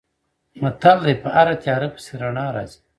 متل دی: په هره تیاره پسې رڼا راځي.